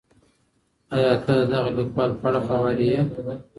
ایا ته د دغه لیکوال په اړه خبر یې؟